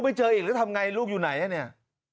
เจออีกแล้วทำไงลูกอยู่ไหนอ่ะเนี่ย